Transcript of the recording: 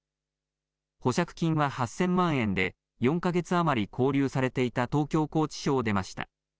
保釈金は８０００万円で、４か月余り勾留されていた東京拘置所を出ました。